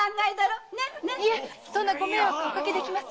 いえそんなご迷惑はおかけできません。